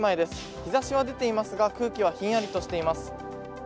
日ざしは出ていますが空気はひんやりとしています。